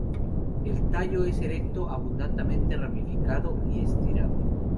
El tallo es erecto, abundantemente ramificado y estriado.